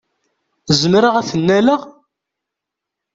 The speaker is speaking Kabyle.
Zemreɣ ad t-nnaleɣ?